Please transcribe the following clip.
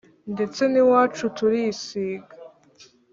ndetse n’iwacu turisiga!”